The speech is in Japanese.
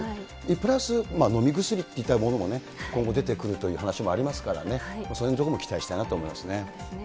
プラス、飲み薬といったものも今後出てくるという話もありますからね、そのへんのところも期待しそうですね。